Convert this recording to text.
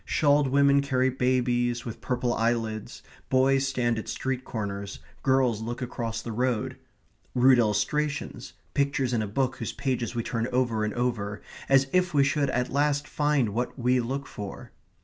Shawled women carry babies with purple eyelids; boys stand at street corners; girls look across the road rude illustrations, pictures in a book whose pages we turn over and over as if we should at last find what we look for.